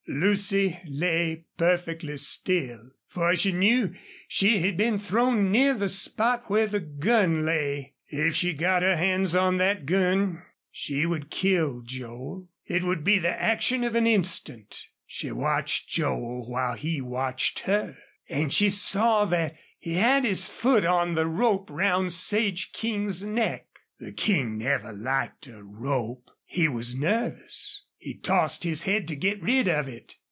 Lucy lay perfectly still, for she knew she had been thrown near the spot where the gun lay. If she got her hands on that gun she would kill Joel. It would be the action of an instant. She watched Joel while he watched her. And she saw that he had his foot on the rope round Sage King's neck. The King never liked a rope. He was nervous. He tossed his head to get rid of it.